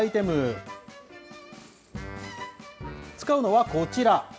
使うのはこちら。